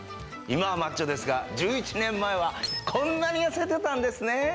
今はマッチョですが１１年前はこんなに痩せてたんですね。